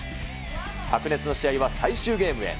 白熱の試合は最終ゲームへ。